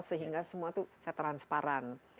sehingga semua itu transparan